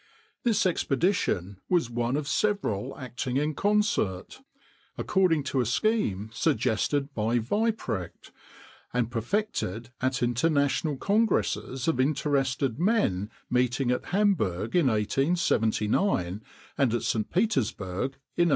This expedition was one of several acting in concert, according to a scheme suggested by Weyprecht, and perfected at international congresses of interested men meeting at Hamburg in 1879 and at St. Petersburg in 1882.